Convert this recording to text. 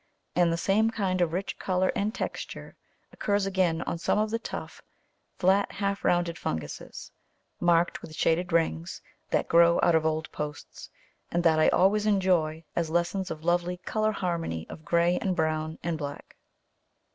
And the same kind of rich colour and texture occurs again on some of the tough flat half round funguses, marked with shaded rings, that grow out of old posts, and that I always enjoy as lessons of lovely colour harmony of grey and brown and black.